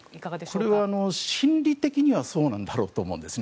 これは心理的にはそうなんだろうと思うんです。